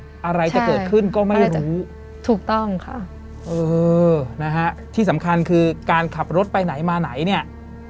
อะไรจะเกิดขึ้นก็ไม่รู้ถูกต้องค่ะเออนะฮะที่สำคัญคือการขับรถไปไหนมาไหนเนี่ย